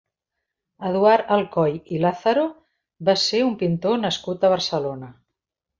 Eduard Alcoy i Lázaro va ser un pintor nascut a Barcelona.